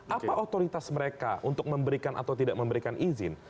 apa otoritas mereka untuk memberikan atau tidak memberikan izin